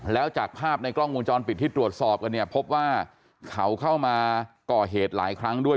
แล้วจากภาพในกล้องวงจรปิดที่ตรวจสอบกันเนี่ยพบว่าเขาเข้ามาก่อเหตุหลายครั้งด้วย